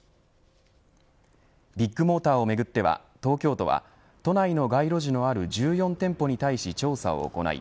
ビッグモーターをめぐっては東京都は都内の街路樹のある１４店舗に対し調査を行い